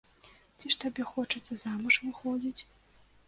Ці ж табе хочацца замуж выходзіць?